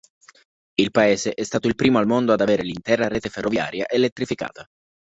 Il Paese è stato il primo al mondo ad avere l'intera rete ferroviaria elettrificata.